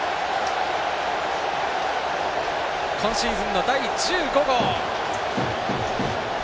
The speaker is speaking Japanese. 今シーズンの第１５号！